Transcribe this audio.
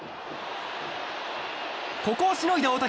ここをしのいだ大竹。